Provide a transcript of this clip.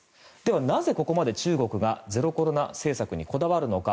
なぜここまで中国がゼロコロナ政策にこだわるのか。